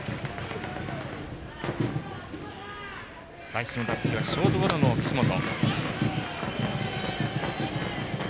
最初の打席はショートゴロの岸本。